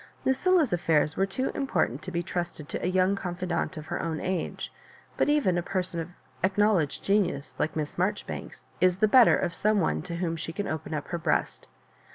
Lucilla's affairs were too important to be trusted to a young confidante of her own age; but. even a person of acknowledged genius like Miss Marjoribanks is the better of some one to whom she can open up her breast.